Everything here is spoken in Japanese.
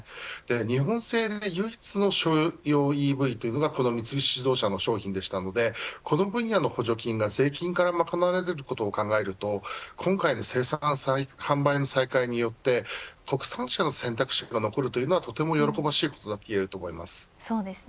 日本製で唯一の商用ＥＶがこの三菱自動車の商品だったのでこの分野の補助金が税金から賄われることを考えると今回の生産販売の再開によって国産車の選択肢が残ることは喜ばしいことだと思います。